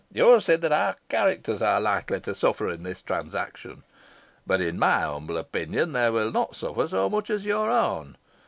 You have said that our characters are likely to suffer in this transaction, but, in my humble opinion, they will not suffer so much as your own.